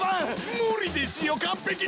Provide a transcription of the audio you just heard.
無理ですよ完璧に！